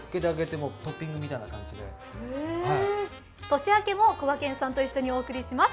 年明けもこがけんさんと一緒にお届けします。